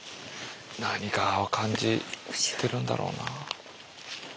何かを感じてるんだろうな。